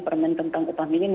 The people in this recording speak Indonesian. permen tentang upah minim